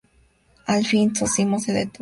Al fin Zósimo se detuvo.